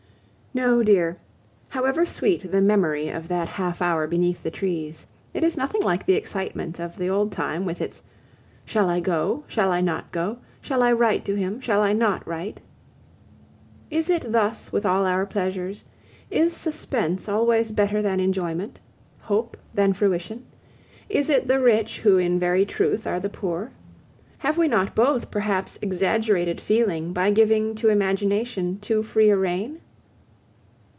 No, dear, however sweet the memory of that half hour beneath the trees, it is nothing like the excitement of the old time with its: "Shall I go? Shall I not go? Shall I write to him? Shall I not write?" Is it thus with all our pleasures? Is suspense always better than enjoyment? Hope than fruition? Is it the rich who in very truth are the poor? Have we not both perhaps exaggerated feeling by giving to imagination too free a rein?